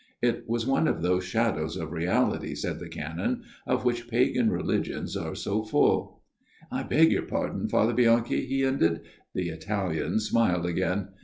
It was one of those shadows FATHER BIANCHI'S STORY 145 of reality, said the Canon, of which pagan religions are so full. " I beg your pardon, Father Bianchi," he ended. The Italian smiled again.